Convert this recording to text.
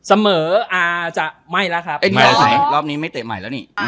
เสมอจะไม่ละครับอ้าววรอบนี้ไม่เตะใหม่แล้วเนี้ย